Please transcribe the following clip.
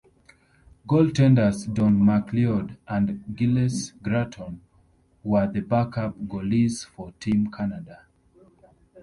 Goaltenders Don McLeod and Gilles Gratton were the backup goalies for Team Canada.